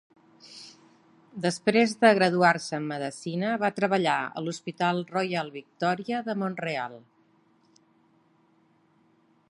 Després de graduar-se en Medicina, va treballar a l'Hospital Royal Victoria de Mont-real.